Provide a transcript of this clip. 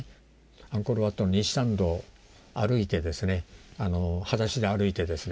アンコール・ワットの西参道はだしで歩いてですね